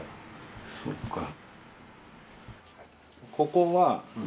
そっか。